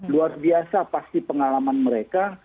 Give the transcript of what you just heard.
luar biasa pasti pengalaman mereka